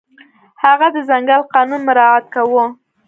هغه د ځنګل قانون مراعت کاوه.